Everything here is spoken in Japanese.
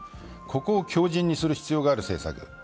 ここを強じんにする必要がある政策。